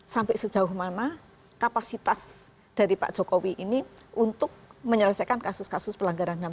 sampai sejauh mana kapasitas dari pak jokowi ini untuk menyelesaikan kasus kasus pelanggaran ham